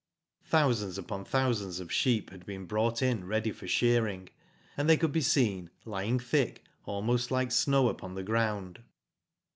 Thousands upon thousands of sheep had been brought in ready for shearing, and they could be seen, lying thick, almost like snow upon the ground.